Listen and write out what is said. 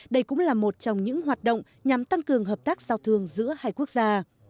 đây cũng là một trong những hoạt động nhằm tăng cường hợp tác giao thương giữa hai quốc gia